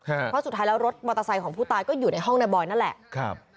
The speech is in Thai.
เพราะสุดท้ายแล้วรถมอเตอร์ไซค์ของผู้ตายก็อยู่ในห้องในบอยนั่นแหละครับ